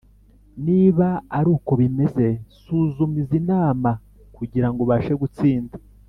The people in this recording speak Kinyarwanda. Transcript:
Niba ari uko bimeze suzuma izi nama kugira ngo ubashe gutsinda